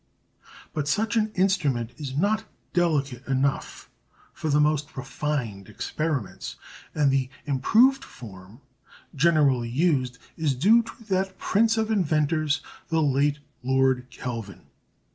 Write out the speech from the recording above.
But such an instrument is not delicate enough for the most refined experiments, and the improved form generally used is due to that prince of inventors, the late Lord Kelvin.